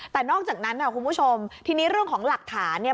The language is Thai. แต่นอกจากนั้นค่ะคุณผู้ชมทีนี้เรื่องของหลักฐานเนี่ย